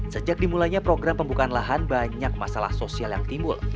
sejak dimulainya program pembukaan lahan banyak masalah sosial yang timbul